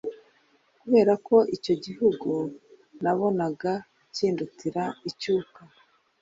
kubera ko icyo gihugu nabonaga kindutira icyuka